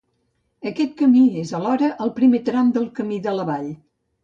Aquest camí és, alhora, el primer tram del Camí de la Vall.